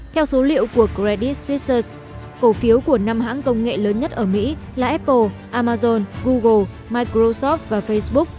theo số liệu của credit stressers cổ phiếu của năm hãng công nghệ lớn nhất ở mỹ là apple amazon google microsoft và facebook